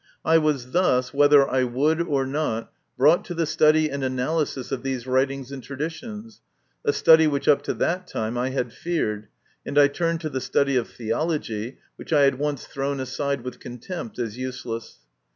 I was thus, whether I would or not, brought to the study and analysis of these writings and traditions, a study which up to that time I had feared, and I turned to the study of theology, which I had once thrown aside with contempt as useless.